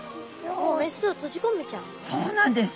そうなんです。